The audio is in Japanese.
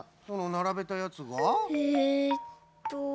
そのならべたやつが？えっと。